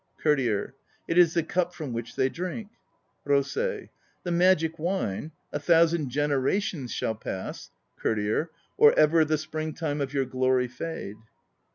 COURTIER. It is the cup from which they drink. ROSEI. The magic wine! A thousand generations shall pass COURTIER. Or ever the springtime of your glory fade.